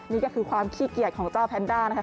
นี่ก็คือความขี้เกียจของเจ้าแพนด้านะคะ